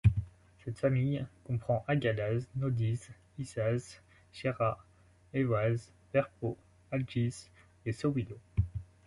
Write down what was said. Cette famille comprend Hagalaz, Naudiz, Īsaz, Jēra, Eihwaz, Perþō, Algiz et Sōwilō.